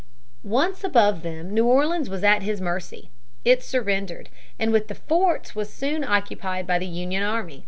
Once above them New Orleans was at his mercy. It surrendered, and with the forts was soon occupied by the Union army.